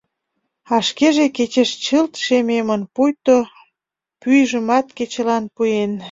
А шкеже кечеш чылт шемемын, пуйто пӱйжымат кечылан пуэн.